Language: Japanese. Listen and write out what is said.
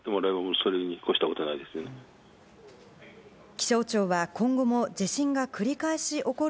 気象庁は、今後も地震が繰り返し起こる